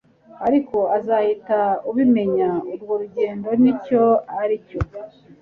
Ariko uzahita ubimenya urwo rukundo nicyo aricyo